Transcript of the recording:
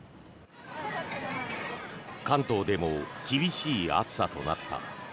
関東でも厳しい暑さとなった。